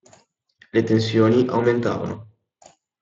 Le tensioni aumentarono.